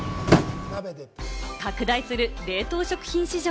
拡大する冷凍食品市場。